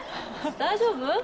大丈夫？